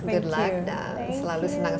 good luck dan selalu senang